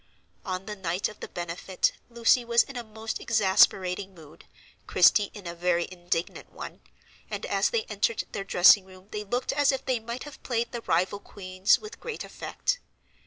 On the night of the benefit, Lucy was in a most exasperating mood, Christie in a very indignant one, and as they entered their dressing room they looked as if they might have played the Rival Queens with great effect.